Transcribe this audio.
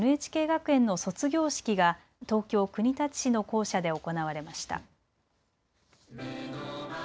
ＮＨＫ学園の卒業式が東京国立市の校舎で行われました。